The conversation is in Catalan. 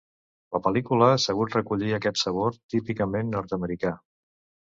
La pel·lícula ha sabut recollir aquest sabor típicament nord-americà.